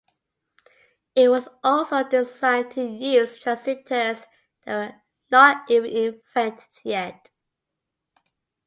It was also designed to use transistors that were not even invented yet.